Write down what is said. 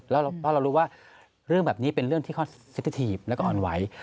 แล้วเรารู้ว่าเรื่องแบบนี้เป็นเรื่องที่ค่อนสินติธิพธิ์และอ่อนไหว